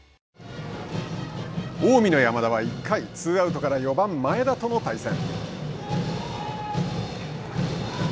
近江の山田は、１回ツーアウトから４番前田との対戦。